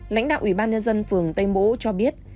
lãnh đạo ủy ban nhân dân phường tây mỗ cho biết